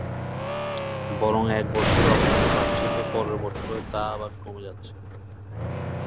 বরং এক বছর রপ্তানি বাড়ছে তো পরের বছরই তা আবার কমে যাচ্ছে।